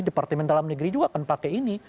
departemen dalam negeri juga akan pakai ini